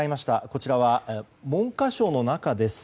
こちらは文科省の中です。